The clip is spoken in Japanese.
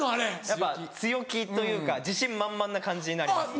やっぱ強気というか自信満々な感じになります。